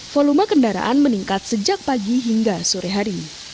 volume kendaraan meningkat sejak pagi hingga sore hari